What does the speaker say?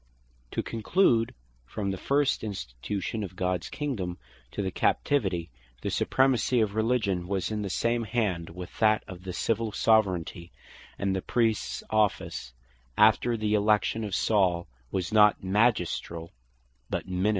To conclude; from the first institution of Gods Kingdome, to the Captivity, the Supremacy of Religion, was in the same hand with that of the Civill Soveraignty; and the Priests office after the election of Saul, was not Magisteriall, but Ministeriall.